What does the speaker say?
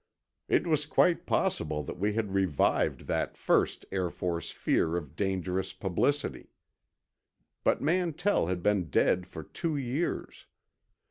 It was quite possible that we had revived that first Air Force fear of dangerous publicity. But Mantell had been dead for two years.